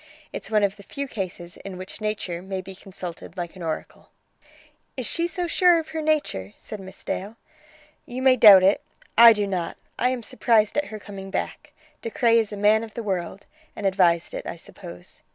It's one of the few cases in which nature may be consulted like an oracle." "Is she so sure of her nature?" said Miss Dale. "You may doubt it; I do not. I am surprised at her coming back. De Craye is a man of the world, and advised it, I suppose.